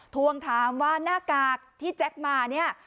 ทวงถามว่าหน้ากากที่แจ็คมาเนี่ย